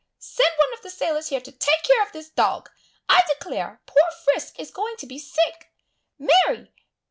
send one of the sailors here to take care of this dog! I declare poor Frisk is going to be sick! Mary!